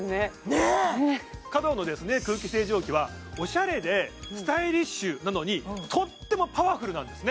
ねっｃａｄｏの空気清浄機はオシャレでスタイリッシュなのにとってもパワフルなんですね